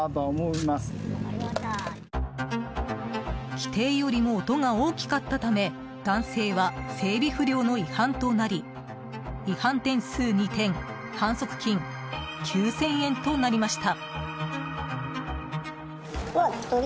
規定よりも音が大きかったため男性は整備不良の違反となり違反点数２点反則金９０００円となりました。